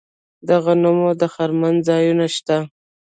د غنمو د خرمن ځایونه شته.